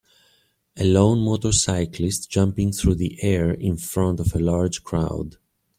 a lone motorcyclist jumping through the air in front of a large crowd.